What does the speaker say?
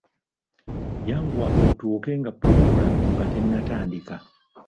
Yanguwa otuuke nga pulogulaamu nga tennatandika.